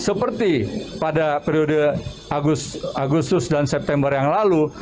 seperti pada periode agustus dan september yang lalu